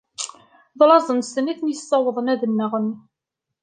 D laẓ nsen i ten-issawaḍen ad nɣen.